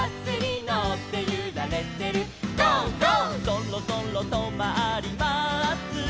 「そろそろとまります」